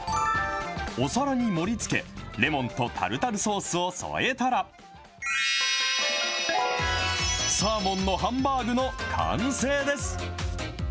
お皿に盛りつけ、レモンとタルタルソースを添えたら、サーモンのハンバーグの完成です。